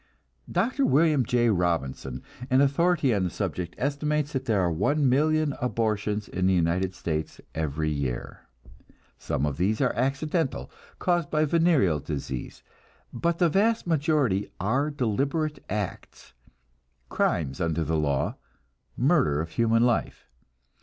Dr. William J. Robinson, an authority on the subject, estimates that there are one million abortions in the United States every year. Some of these are accidental, caused by venereal disease, but the vast majority are deliberate acts, crimes under the law, murder of human life.